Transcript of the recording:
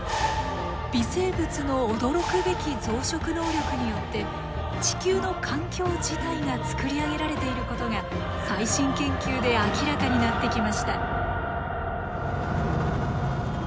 微生物の驚くべき増殖能力によって地球の環境自体が作り上げられていることが最新研究で明らかになってきました。